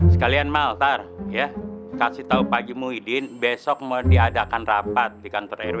sekalian mal tar kasih tau pak haji muhyiddin besok mau diadakan rapat di kantor rw